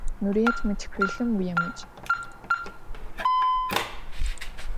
Nurıêt, mı txılhım vuêmıc!